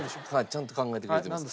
ちゃんと考えてくれてます。